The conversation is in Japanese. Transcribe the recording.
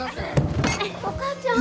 お母ちゃん？